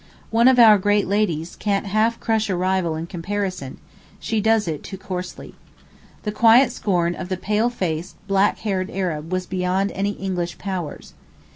One of our great ladies can't half crush a rival in comparison, she does it too coarsely. The quiet scorn of the pale faced, black haired Arab was beyond any English powers.